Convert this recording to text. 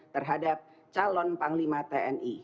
terhadap calon panglima tni